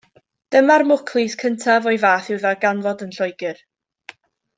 Dyma'r mwclis cyntaf o'i fath i'w ddarganfod yn Lloegr.